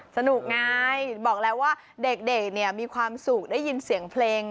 สนุกไงบอกแล้วว่าเด็กเนี่ยมีความสุขได้ยินเสียงเพลง